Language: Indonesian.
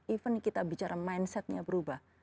even kita bicara mindset nya berubah